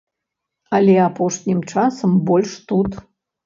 Але апошнім часам больш тут.